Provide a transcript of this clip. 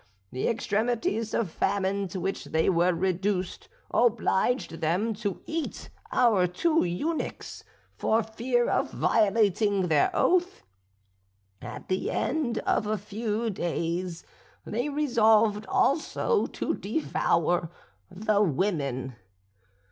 The extremities of famine to which they were reduced, obliged them to eat our two eunuchs, for fear of violating their oath. And at the end of a few days they resolved also to devour the women.